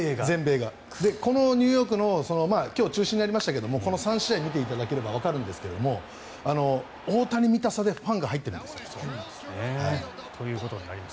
このニューヨークの今日中止になりましたが３試合を見ていただければわかるんですけど大谷見たさでファンが入ってるんです。ということになります。